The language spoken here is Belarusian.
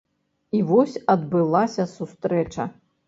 І вось адбылася сустрэча.